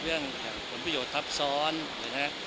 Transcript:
หรือแบบภูมิผวยตัดสอนนะครับ